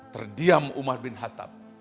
terdiam umar bin hattaf